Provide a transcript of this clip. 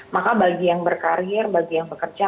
maka bagi yang berkarir bagi yang bekerja